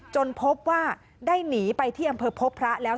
พบว่าได้หนีไปที่อำเภอพบพระแล้ว